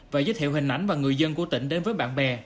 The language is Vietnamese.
và giới thiệu hình ảnh và người dân của tỉnh đến với bạn bè